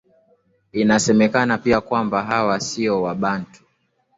Inasemekana pia kwamba hawa siyo Wabantu